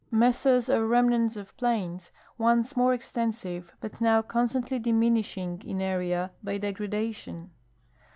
.Mesas are remnants of ])lains, once more extensive, but now constantly diminishing in area by degradation.